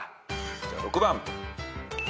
じゃあ６番。